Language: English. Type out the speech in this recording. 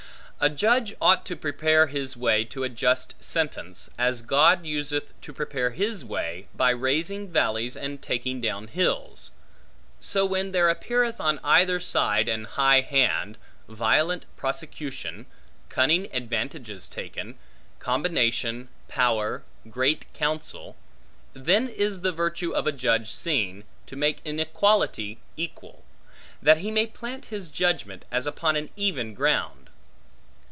A judge ought to prepare his way to a just sentence, as God useth to prepare his way, by raising valleys and taking down hills: so when there appeareth on either side an high hand, violent prosecution, cunning advantages taken, combination, power, great counsel, then is the virtue of a judge seen, to make inequality equal; that he may plant his judgment as upon an even ground.